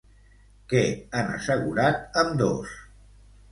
Què han assegurat ambdós?